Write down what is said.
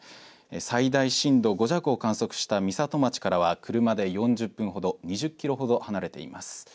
最大震度５弱を観測した美里町からは、車で４０分ほど、２０キロほど離れています。